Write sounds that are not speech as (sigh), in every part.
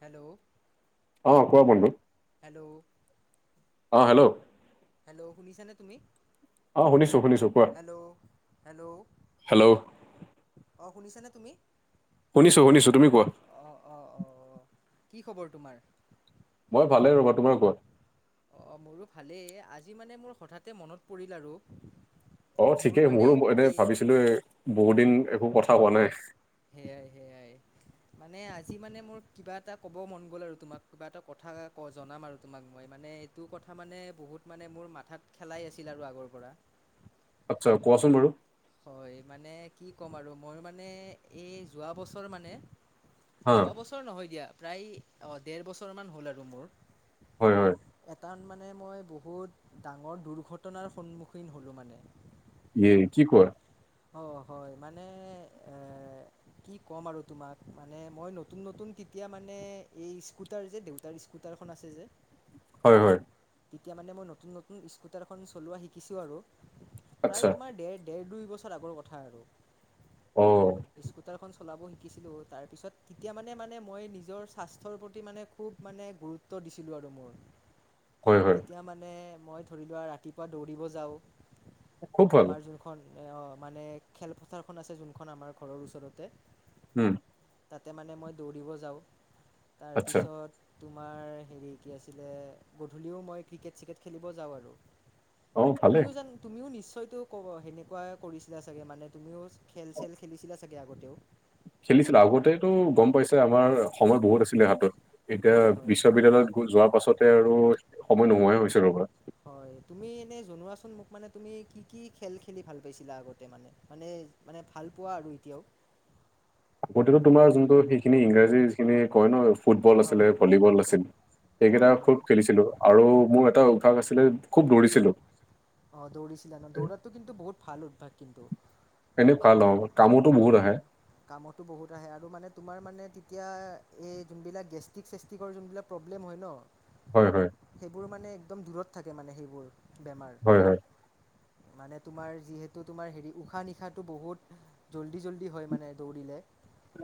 Hello অ কোৱা বন্ধু? হেল্ল'। অ' হেল্ল'। হেল্ল' শুনিছা নে তুমি? অহ শুনিছো শুনিছো কোৱা? Hello hello? অ শুনিছা নে তুমি? শুনিছোঁ শুনিছোঁ তুমি কোৱা। অঁ অঁ অঁ কি খবৰ তোমাৰ? মই ভালে ৰবা তোমাৰ কোৱা? অ' মোৰো ভালেই আজি মানে মোৰ হঠাতে মনত পৰিল আৰু। অ' মোৰ ঠিকেই মানে মোৰো এনে কেই ভাবিছিলোঁ য়ে বহু দিন একো কথা কোৱা নাই সেয়াই সেয়াই (unintelligible) মানে এইটো কথা মানে বহুত মানে অ কোৱাচোন বাৰু? হয় মানে কি ক'ম আৰু মই মানে এই যোৱা বছৰ মানে হা যোৱা বছৰ নহয় দিয়া প্ৰায় অ‌ ডেৰ বছৰ মান হ'ল আৰু মোৰ হয় হয়। কাৰণ মানে মই বহুত ডাঙৰ দুৰ্ঘটনাৰ সন্মুখীন হ'লোঁ মানে। এ, কি কোৱা? অ' হয়, মানে এ কি ক'ম আৰু তোমাক, মানে মই নতুন-নতুন কেতিয়া মানে এই স্কুটাৰ যে দেউতাৰ স্কু টাৰখন আছে যে। হয়'-হয়'। তেতিয়া মানে মই নতুন-নতুন স্কুটাৰখন চলোৱা শিকিছোঁ আৰু, প্ৰায় আচ্ছা তোমাৰ ডেৰ-ডেৰ দুই বছ আগৰ কথা আৰু। অ স্কুটাৰ খন চলাব শিকিছিলোঁ, তাৰপিছত তেতিয়া মানে-মানে মই নিজৰ স্বাস্থ্যৰ প্ৰতি মানে খুব মানে গুৰুত্ব দিছিলোঁ আৰু মোৰ। হয় হয় তেতিয়া মানে মই ধৰি লোৱা ৰাতিপুৱা দৌৰিব যাওঁ। খুব ভাল আমাৰ যোনখন মানে খেলপথাৰখন আছে যোনখন আমাৰ ঘৰৰ ওচৰতে। উম'। তাতে মানে মই দৌৰিব যাওঁ, আচ্ছা তাৰপিছত তোমাৰ হেৰি কি আছিলে গধূলিও মই ক্ৰিকেট-চিকেট খেলিব যাওঁ আৰু। অ ভালে তুমিও জানো তুমিও নিশ্চয়তো কব সেনেকুৱাই কৰিছিলা চাগে মানে তুমিও খেল চেল খেলিছিলা চাগে আগতেও? খেলিছিলো আগতেতো গম পাইছে আমাৰ সময় বহুত আছিলে হাতত। এতিয়া হয় হয় বিশ্ববিদ্যালয়ত গ যোৱাৰ পাছতে আৰু সময় নোহোৱাই হৈছে ৰ'বা। হয় তুমি এনে জনোৱাচোন মোক মানে তুমি কি-কি খেল খেলি ভাল পাইছিলা আগতে মানে? মানে মানে ভাল পোৱা আৰু এতিয়াও? আগতেটো তোমাৰ যোনটো সেইখিনি ইংৰাজী যিখিনি কয় ন? ফুটবল হয় আছিলে ভলীবল আছিল এইকেইটা হয় হয় খুব খেলিছিলো আৰু মোৰ এটা অভ্যাস আছিলে খুব দৌৰিছিলোঁ। অ', দৌৰিছিলা ন? দৌৰাটো কিন্তু বহুত ভাল অভ্যাস কিন্তু। এনেই (unintelligible) হয়'-হয়', কামতো বহুত আহে আৰু মানে তোমাৰ মানে এতিয়া এই যোনবিলাক গেষ্টিক চেষ্টিকৰ যোনবিলাক প্ৰব্লেম হয় ন। হয় হয় সেইবোৰ মানে একদম দূৰত থাকে মানে সেইবোৰ বেমাৰ। হয় হয় মানে তোমাৰ যিহেতু তোমাৰ হেৰি উশাহ-নিশাহ টো বহুত জল্দি-জল্দি হয় মানে দৌৰিলে।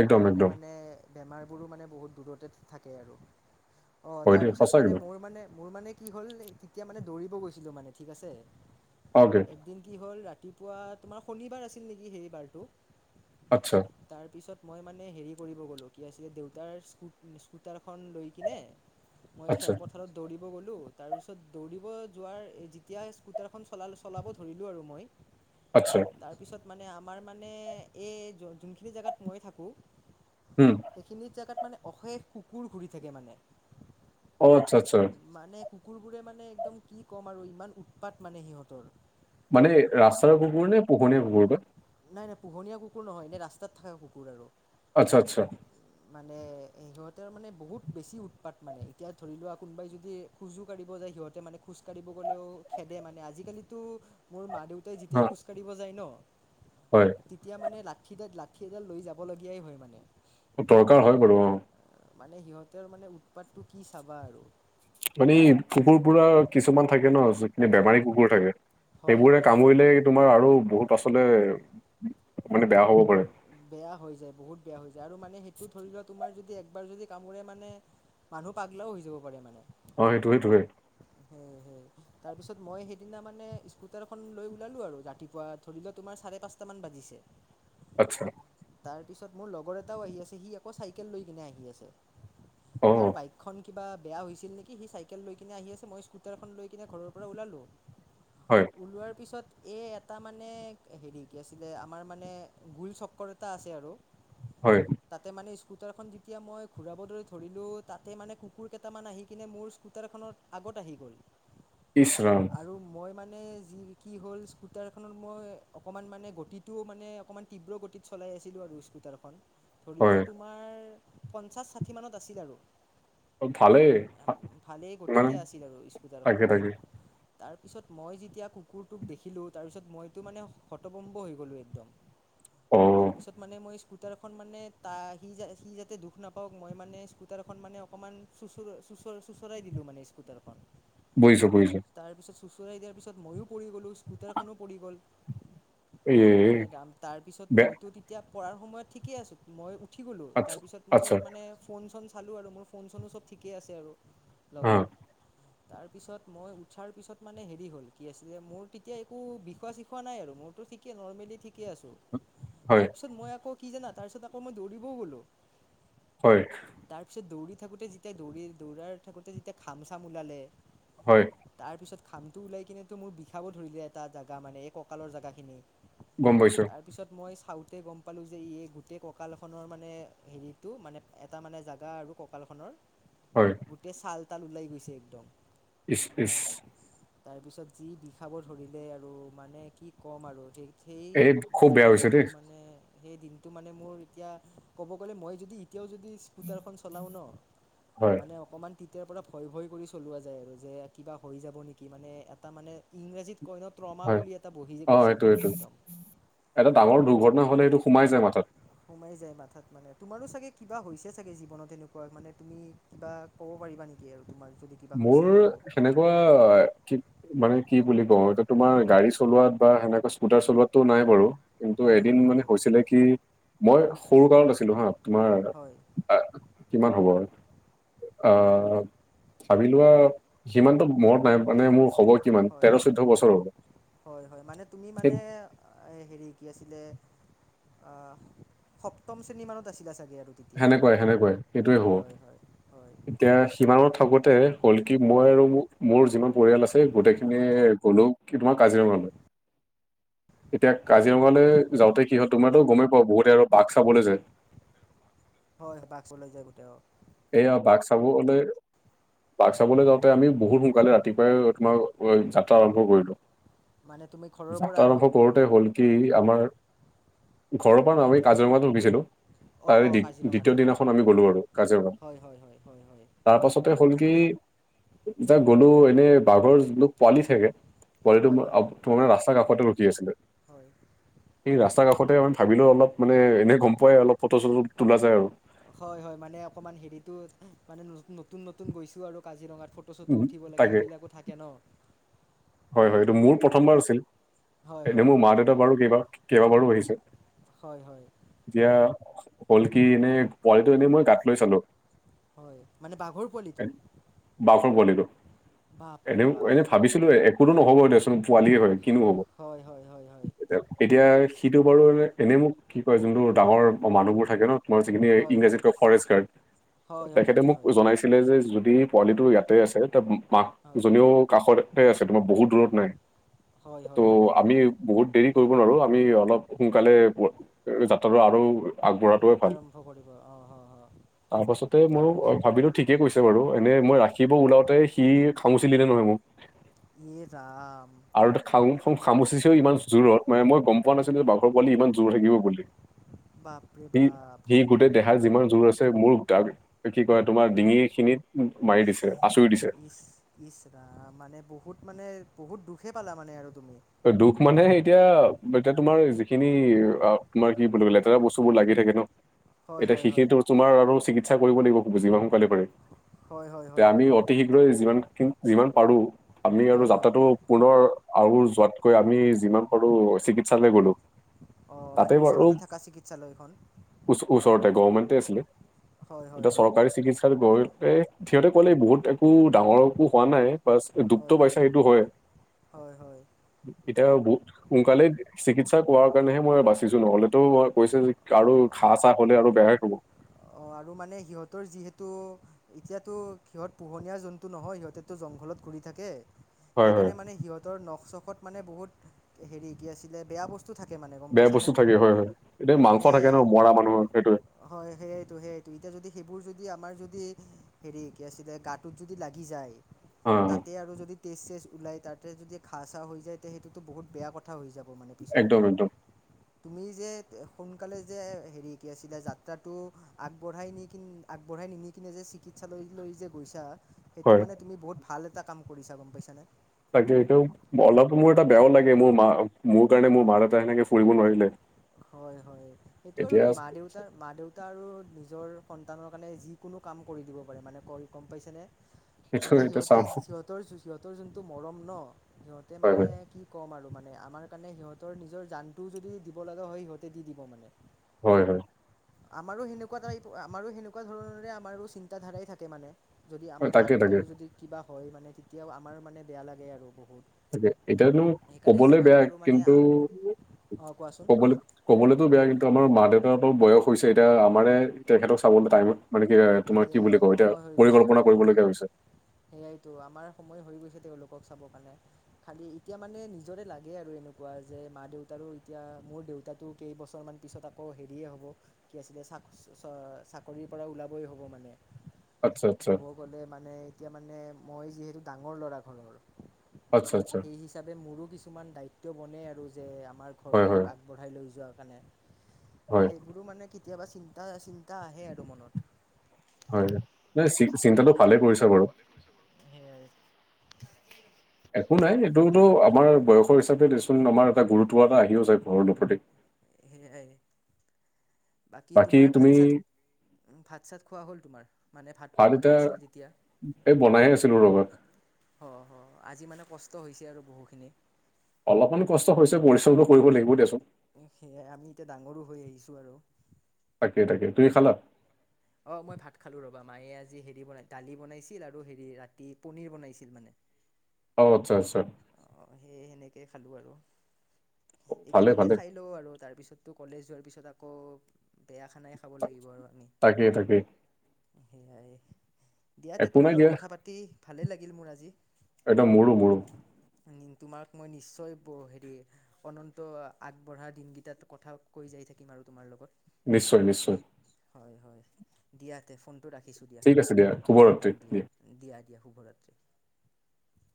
একদম সেইকাৰণে একদম মানে বেমাৰবোৰো মানে বহুত দূৰতে থাকে আৰু। অ', হয় তাৰ দেই সঁচা পিছত মানে একদম মোৰ মানে মোৰ মানে কি হ'ল তেতিয়া মানে দৌৰিব গৈছিলো মানে ঠিক আছে। অকে এদিন কি হ'ল, ৰাতিপুৱা তোমাৰ শনিবাৰ আছিল নেকি সেইবাৰতটো? আচ্ছা তাৰ পিছত মই মানে হেৰি কৰিব গ'লো। কি আছিল, দেউতাৰ্ স্কুটাৰ খন লৈ কিনে। মই আচ্ছা খেল পথাৰত দৌৰিব গলো। তাৰপিছত দৌৰিব যোৱাৰ যেতিয়া স্কুটাৰ খন চলালো, চলাব ধৰিলো আৰু মই। আচ্ছা তাৰপিছত আমাৰ মানে মানে এই যোনখিনি জেগাত মই থাকোঁ। উম সেইখিনি জেগাত মানে অশেষ কুকুৰ ঘূৰি থাকে মানে। অ', আচ্ছা-আচ্ছা। মানে কুকুৰবোৰে মানে একদম কি কম আৰু ইমান উৎপাত মানে সিহঁতৰ। মানে ৰাস্তাৰ কুকুৰ নে পোহনীয়া কুকুৰ বা? নাই-নাই পোহনীয়া কুকুৰ নহয়, এনেই ৰাস্তাত থকা কুকুৰ আৰু। আচ্ছা-আচ্ছা। মানে সিহঁতৰ মানে বহুত বেছি উৎপাত মানে। এতিয়া ধৰি লোৱা কোনোবাই যদি খোযো কাঢ়িব যায় সিহঁতে মানে খোজকাঢ়িব গলেও খেদে মানে। আজিকালিটো মোৰ মা ই হা যেতিয়াই খোজ কাঢ়িব যায় ন, হয় তেতিয়া মানে ল লাঠিডাল লাঠী এডাল লৈ যাবলগীয়াই হয় মানে। দৰকাৰ হয় বাৰু অ'। মানে সিহঁতৰ মানে উৎপাতটো কি চাবা আৰু। মানে কুকুৰ পুৰা কিছুমান থাকে ন, যিখনে বেমাৰী কুকুৰ থাকে। হয় সেইবোৰে হয় হয় কামুৰিলে তোমাৰ আৰু বহুত আচতে মানে বেয়া হব পাৰে। বেয়া হৈ যায় বহুত বেয়া হৈ যায় আৰু মানে সেইটো ধৰি লোৱা তোমাৰ যদি এক একবাৰ যদি কামোৰে মানে মানুহ পাগলাও হৈ যাব পাৰে মানে। অ সেইটোয়ে টোৱে৷ হুম-হুম৷ তাৰ পিছত মই সেইদিনা মানে স্কুটাৰখন লৈ ওলালো আৰু ৰাতিপুৱা ধৰি লোৱা তোমাৰ চাৰে পাঁচটা মান বাজি দিছে আচ্ছা তাৰ পিছত মোৰ লগৰ এটাও আহি আছে সি আকৌ চাইকেল লৈ কিনে আহি আছে। অ তাৰ বাইকখন কিবা বেয়া হৈছিল নেকি সি চাইকেল লৈ কিনে আহি আছে মই স্কুটাৰখন লৈ কিনে ঘৰৰ পৰা ওলালোঁ। হয় ওলোৱাৰ পিছত এই এটা মানে হেৰি কি আছিলে আমাৰ মানে গোল চক্কৰ এটা আছে আৰু। হয় তাতে মানে ইচ স্কুটাৰখন যেতিয়া মই ঘূৰাবলে ধৰিলোঁ তাতে মানে কুকুৰ কেইটামান আহি কিনে মোৰ স্কুটাৰখনৰ আগত আগত আহি গ'ল। ইচৰাম আৰু মই মানে মানে কি হ'ল স্কুটাৰখনত মই অকমান মানে গতিটো অকমান তীব্ৰ গতিত চলাই আছিলোঁ আৰু স্কুটাৰখন ধৰি লোৱা হয় তোমাৰ পঞ্চাছ ষাঠি মানত আছিল আৰু। অ, ভালেই ভালে মানে গতিতে আছিল আৰু স্কুটাৰখন। তাকে তাকে তাৰপিছত মই যেতিয়া কুকুৰটোক দেখিলোঁ তাৰপিছত মইতো মানে হতভম্ব হৈ গ'লোঁ একদম। অ তাৰ পিছত মানে মই স্কুটাৰ খন মানে তা সি - সি যাতে দুখ নাপাওক মই মানে স্কুটাৰ খন মানে অকমান চুচ-চুচ চুৰৰাই দিলো মানে স্কুটাৰখন। বুইছো-বুইছো। চুঁচৰাই দিয়াৰ পিছত ময়ো পৰি গ'লোঁ স্কুটাৰখনো পৰি গ'ল। এই ইয়ে ৰাম! তাৰ পিছত? বে মইতো তেতিয়া পঢ়াৰ সময়ত ঠিকেই আছো মই উঠি গ'লো আচ্ছা তাৰপিছত মোৰ আচ্ছা মানে ফন চন খালোঁ আৰু মোৰ ফোন চোনো চব ঠিকেই আছে আৰু অ লগত। তাৰপিছত মই উঠাৰ পিছত মানে হেৰি হ'ল কি আছিলে মোৰ তেতিয়া একো বিষোৱা চিখোৱা নাই আৰু মোৰতো ঠিকে নৰমেলি ঠিক আছো, হয় তাৰ পিছত মই আকৌ কি জানা তাৰ পিছত আকৌ মই দৌৰিবও গলো। হয় তাৰ পিছত দৌৰি থাকোতে যেতিয়া দৌৰি দৌৰাই থাকোতে যেতিয়া খাম চাম ওলালে হয় তাৰ পিছত ঘামটো ওলাই কিনেটো মোৰ বিষাব ধৰিলে এটা জেগা মানে এই কঁকালৰ জেগাখিনি। গম পাইছো। তাৰপিছত মই চাউতে গম পালো যে এই গোটেই কঁকালখনৰ মানে হেৰিটো মানে এটা মানে জোগা আৰু কঁকালখনৰ হয় গোটেই চাল তাল ওলাই গৈছে একদম। ইচ-ইচ। তাৰ পিছত যি বিষাব ধৰিলে আৰু মানে কি কম আৰু সেই-সেই এই খুব মানে বেয়া হৈছে দেই দিনটো মানে সেই দিনটো মানে মোৰ এতিয়া ক'ব গ'লে মই যদি এতিয়াও যদি স্কুটাৰখন চলাও ন হয় মানে অকমান তেতিয়াৰ পৰা ভয়-ভয় কৰি চলোৱা যায় আৰু যে কিবা হৈ যাব নেকি মানে এটা মানে ইংৰাজীত কয় ন ত্ৰমা হয় বুলি এটা বহি যে অ গৈছিল এইটো মানে এইটো একদম। এটা ডাঙৰ দুৰ্ঘটনা হ'লে এইটো সোমাই যায় মাথাত। সোমাই যায় মাথাত মানে তোমাৰো চাগে কিবা হৈছে চাগে জীৱনত এনেকুৱা মানে তুমি কিবা ক'ব পাৰিবা নেকি আৰু তোমাৰ যদি কিবা মোৰ হৈছিলে আৰু সেনেকুৱা কি মানে কি বুলি কওঁ এইটো তোমাৰ গাড়ী চলোৱাত বা সেনেকা স্কুটাৰ চলোৱাতটো নাই বাৰু। কিন্তু হয় এদিন হয় মানে হয় হৈছিলে কি মই সৰু কাৰত আছিলো হা তোমাৰ হয় আহ কিমান হ'ব আৰু আহ পোৱা সিমানতটো মনত নাই মানে মোৰ খবৰ। (unintelligible) হয়-হয়-হয়-হয় মানে তুমি ঠিক মানে হেৰি কি আছিলে অহ সপ্তম শ্ৰেণী মানত আছিলে চাগে আৰু তেতিয়া সেনেকুৱাই -সেনেকুৱাই সেইটোৱে হয় হব হয় হয় হয় এতিয়া সিমানত থাকোতে হ'ল কি মই আৰু মোৰ যিমান পৰিয়াল আছে গোটেইখিনিয়ে গ'লো কি তোমাৰ কাজিৰঙালৈ। (inaudible) এতিয়া কাজিৰঙালৈ হয় যাওঁতে কি হয় তোমাৰতো গমেই পাও বহুতে আৰু বাঘ চাবলৈ যায় হয়- হয় বাঘ চাবলৈ যায় গোটেই অহ এয়া বাঘ চাবলে বাঘ চাবলৈ যাওঁতে আমি বহুত সোনকালে ৰাতিপুৱাই তোমাৰ যাত্ৰা আৰম্ভ কৰিলো। মানে তুমি ঘৰৰ (inaudible) যাত্ৰা পৰা আৰু আৰম্ভ কৰোঁতে হ'ল কি আমাৰ ঘৰৰ পৰা নহয় আমি কাজিৰঙাত (unintelligible) অঁ তাৰে অঁ দ্বিতীয় কাজিৰঙাতে অঁ দিনাখন আমি গ'লো আৰু কাজিৰঙা হয় হয় হয় হয় হয় তাৰ পাছতে হ'ল কি যাক গলো এনেই বাঘৰ যিটো পোৱালি থাকে পোৱালিটো হয় হয় তোমাৰ আপ ৰাস্তাৰ কাষতে ৰখি আছিলে হয় সেই ৰাস্তাৰ কাষতে ম ভাবিলোও অলপ মানে এনে গম পোৱাই অলপ ফটো -চটো তোলা যায় আৰু। হয় হয় মানে (unintelligible) নতুন -নতুন গৈছোঁ আৰু কাজিৰঙাত ফটো- চটো উম, উঠিব লাগে তাকে সেইবিলাকো থাকে ন' হয়- হয় এইটো মোৰ প্ৰথমবাৰ আছিল হয় এনে হয় মোৰ মা হয় -দেউতা বাৰু কেইবা -কেইবাবাৰো আহিছে হয় -হয়। এতিয়া হ'ল কি এনে পোৱালিটো এনেই মই গাত লৈ চালো হয়, মানে বাঘৰ পোৱালিটো? বাঘৰ পোৱালীটো বাপৰে এনেও বাপ এনে ভাবিছিলো এহ একোতো নহ'ব দেচোন পোৱালিয় হয় কিনো হ'ব হয় হয় হয় হয় এতিয়া - এতিয়া সিটো বাৰু এ এনেই মোক কি কয় যোনটো ডাঙৰ মানুহবোৰ থাকে নহ মোৰ যিখিনি হয় হয় ইংৰাজীত কয় ফৰেষ্ট গাৰ্ড হয় হয় তেখেতে হয় মোক হয় জনাইছে যদি পোৱালিটো ইয়াতে আছে‌ তহ মাক হয় জনীও কাষতে আছে তোমাৰ বহুত দূৰত নাই। হয় ত' হয় হয় হয় আমি বহুত দেৰি কৰিব নোৱাৰো আমি অলপ সোনকালে যাত্ৰাটো আৰু আগবঢ়াটোৱে ভাল আৰম্ভ কৰিব অঁ হ হ তাৰ পাছতে ‍মইও তাৰপিছত ভাবিলো ঠিকে কৈছে বাৰু এনে মই ৰাখিব ওলাওতে সি খামুচিলেনে নে নহয় মোক ইয়ে ৰাম (inaudible) আৰু খাম খা খামুচিছেও ইমান জোৰত মানে মই গম গম পোৱা নাছিলোঁ বাঘৰ পোৱালি ইমান জোৰ থাকিব বুলি বাপৰে সি- বাপ সি গোটেই দেহা যিমান জোৰ আছে মূৰ ডাক কি কয় তোমাৰ ডিঙি খিনিত মাৰি দিছে। আচুৰি দিছে ইচ -ইচ ৰাম মানে বহুত মানে বহুত দুখে পালা মানে আৰু তুমি দুখ মানে এতিয়া- এতিয়া তোমাৰ‌ যি খিনি তোমাৰ কি বুলি কয় লেতেৰা বস্তু বোৰ লাগি থাকে ন' হয় এতিয়া হয় হয় সেইখিনিতো তোমাৰ আৰু‌ চিকিৎসা কৰিব দিব যিমান সোনকালে পাৰে হয় হয় তে হয় আমি অতি শীঘ্ৰে যিমানখিনি যিমান পাৰোঁ আমি আৰু হয় হয় যাত্ৰাটো পুনৰ আহুজ তকৈ আমি যিমান পাৰোঁ চিকিৎসালৈ গ'লো। অহ, তাতে মানে বাৰু ওচৰতে থাকা চিকিৎসালয়খন। ওচ ওচৰতে গভমেণ্টে আছিলে হয় হয় এতিয়া হয় চৰকাৰী চিকিৎসালয় (unintelligible) সিহঁতে ক'লে বহুত একো ডাঙৰ একো হোৱা নাই বাচ দুখটো পাইছা সেইটো হয়। হয় হয় এতিয়া বহুত সোনকালে চিকিৎসা কোৱাৰ কাৰণেহে মই বাচিছো নহ'লেতো মই কৈছে যে আৰু ঘা- চাহ হলে আৰু বেয়াই হ'ব। অহ আৰু মানে সিহঁতৰ যিহেতু এতিয়াতো সিহঁত পোহনীয়া জন্তু নহয় সিহঁতেতো জংঘলত ঘুৰি থাকে হয় হয় ‍সেইকাৰণে মানে সিহঁতৰ নখ ছশত মানে বহুত হেৰী কি আছিলে ‍বেয়া বস্তু থাকে মানে গম বেয়া পাইছানে বস্তু থাকে হয় -হয় এতিয়া মাংস মানে থাকে ন' মৰা মানুহৰ সেইটোৱে হয় সেইটো এতিয়া যদি সেইবোৰ যদি আমাৰ যদি হেৰি কি আছিলে গাটোত যদি লাগি যায় অ তাতে আৰু যদি তেজ-চেজ ওলাই তাতে যদি ঘাঁ চাহ হৈ যায় তেতিয়া সেইটোতো বহুত বেয়া কথা হৈ যাব মানে একদম পিছলৈকে একদম তুমি যে সোনকালে যে হেৰি কি আছিলা যাত্ৰাটো আগবঢ়াই নি কিনি আগবঢ়াই নি নি কিনে যে চিকিৎসালয়লৈ যে গৈছা সেইটো হয় মানে তুমি বহুত ভাল এটা কাম কৰিছা গম পাইছানে তাকে এইটো অলপ মোৰ এটা বেয়াও লাগে মোৰ মা মোৰ কাৰণে মোৰ মা দেতা সেনেকে ফুৰিব নোৱাৰিলে। হয় হয় সেইটো আৰু এতিয়া কি মা দেউতাৰ মা দেউতা আৰু নিজৰ সন্তানৰ কাৰণে যিকোনো কাম কৰি দিব পাৰে মানে ক গম পাইছানে সেইটো মানে এতিয়া সিহঁতে চাওঁ সিহঁতৰ সিহঁতৰ যোনটো মৰম নহ সিহঁতে হয় মানে হয় কি ক'ম আৰু মানে আমাৰ কাৰণে সিহঁতৰ নিজৰ জানটোও যদি দিব লাগে সিহঁতে দি দিব মানে হয় হয়। আমাৰো সেনেকুৱা আমাৰো সেনেকুৱা ধৰণৰে আমাৰো চিন্তাধাৰাই থাকে মানে যদি হয় আমাৰ মা তাকে তাকে দেউতাৰো যদি কিবা হয় মানে তেতিয়াও আমাৰ মানে বেয়া লাগে আৰু বহুত তাকে এতিয়ানো সেইকাৰণে কবলৈ যিমান বেয়া পাৰোঁ মানে কিন্তু অঁ কোৱাচোন ক'বলৈ কবলৈতো বেয়া কিন্তু আমাৰ মা দেউতাৰটো বয়স হৈছে এতিয়া আমাৰে তেখেতক চাবলৈ টাইমত মানে কি তোমাৰ কি বুলি সেয়াই কও এতিয়া সময় হৈ গৈছে পৰিকল্পনা কৰিব সময় হৈ লগীয়া হৈছে। সেয়াইতো আমাৰ সময় হৈ গৈছে তেওঁলোক চাবৰ কাৰণে খালী এতিয়া মানে নিজৰে লাগে আৰু এনেকুৱা যে মা দেউতা ত এতিয়া নতুকে কেইবছৰমান পাছত আকৌ ছবিচ্ চাকৰিৰ পৰা ওলাবই হ'ব মানে আচ্ছা আচ্ছা ক'ব গ'লে মানে- এতিয়া মানে মই যিহেতু ডাঙৰ ল'ৰা ঘৰৰ আচ্ছা আচ্ছা সেই হিচাপাবে মোৰো কিছুমান দায়িত্ব বনে আৰু যে আমাৰ হয় হয় ঘৰখননক আগবঢ়াই লৈ যোৱা কাৰণে হয় সেইবোৰো মানে কেতিয়াবা চিন্তা চিন্তা আহে আৰু মনত- হয় ন চিন্তাটো ভালে কৰিছা বাৰু সেয়াই একো নাই এইটোতো আমাৰ বয়সৰ হিচাপে দেচোন আমাৰ এটা গুৰুত্ব এটা আহিওঁ আছে ঘৰৰপতি- সেয়াই বাকী তোমাৰ ভাত চাত ভাত চাত খোৱা হ'ল তোমাৰ মানে ভাত ভাতটো এতিয়া বনাই আছিল তেতিয়া এই বনাইে আছিলো। ৰ'বা অঁ হ আজি মানে কষ্ট হৈছে আৰু বহুখিনি অলপমান কষ্ট হৈছে পৰিশ্ৰমটো কৰিব লাগিব দিয়াচোন সেয়াই আমি এতিয়া ডাঙৰো হৈ আহিছো। আৰু তাকে তাকে তুমি খালা। অঁ মই ভাত খালো ৰবা মায়ে আজি হে বনাই দালি বনাইছিল আৰু হেৰি ৰাতি পনিৰ বনাইছিল মানে, উ (unintelligible) অঁ আচ্ছা অঁ সেইে সেনেকে খালো আৰু ভালে এইকেইদিনে ভালে খাই লও আৰু তাৰপিছত- কলেজ যোৱাৰ পিছত আকৌ বেয়া খানাই খাব লাগিব আৰু আমি। তাকে তাকে সেয়াই দিয়াতে একো নাই তোমাৰ লগত দিয়া কথা পাতি ভালেই লাগিল মোৰ আজি। একদম মোৰো মোৰো তোমাক মই নিশ্চয় হেৰি অনন্ত আগবঢ়া দিনকেইটাত কথা কৈ যাইছ। থাকিম আৰু তোমাৰ লগত- নিশ্চয় নিশ্চয়। হয় হয় দিয়া তে ফোনটো ৰাখিছোঁ দিয়া ঠিক আছে শুভৰাত্ৰি দিয়া দিয়া। দিয়া শুভৰাত্ৰি।